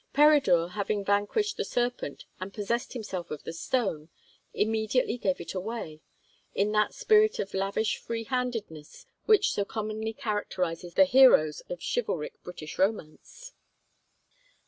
Peredur having vanquished the serpent and possessed himself of the stone, immediately gave it away, in that spirit of lavish free handedness which so commonly characterizes the heroes of chivalric British romance.